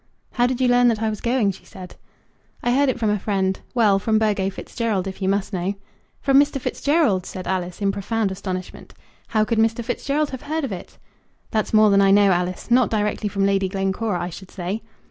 "How did you learn that I was going?" she said. "I heard it from a friend of mine. Well; from Burgo Fitzgerald, if you must know." "From Mr. Fitzgerald?" said Alice, in profound astonishment: "How could Mr. Fitzgerald have heard of it?" "That's more than I know, Alice. Not directly from Lady Glencora, I should say."